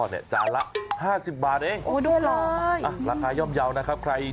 บ๊า่แพงที่ไหนล่ะ